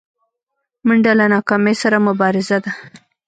منډه له ناکامۍ سره مبارزه ده